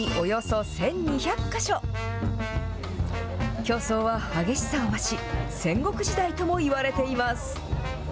競争は激しさを増し、戦国時代ともいわれています。